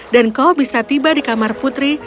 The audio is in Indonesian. dan kau bisa tiba di kamar putri